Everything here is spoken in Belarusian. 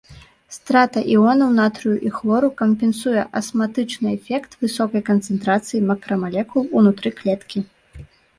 Страта іонаў натрыю і хлору кампенсуе асматычны эфект высокай канцэнтрацыі макрамалекул унутры клеткі.